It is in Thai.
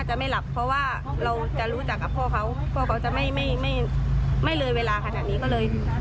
เอาคุณครูนี่คือสอนที่ด้านไหน